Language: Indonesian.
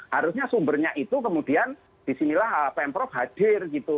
harusnya sumbernya itu kemudian disinilah pemprov hadir gitu